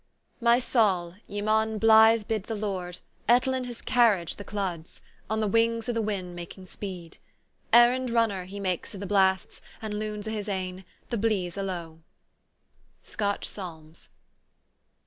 My saul, ye maun blythe bid the Lord, ettlin' his carriage the cluds; on the wings o' the win' making' speed: Errand runner he make o' the blasts, and loons o' his ain, the bleeze o' lowe." SCOTCH PSALMS.